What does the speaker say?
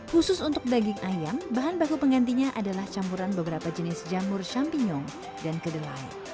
khusus untuk daging ayam bahan baku penggantinya adalah campuran beberapa jenis jamur shampionyong dan kedelai